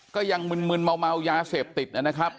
ก็ยังมึนเมายาเสพติดนะครับ